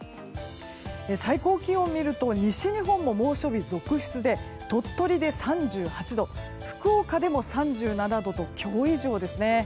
最高気温を見ると西日本も猛暑日が続出で鳥取で３８度福岡でも３７度と今日以上ですね。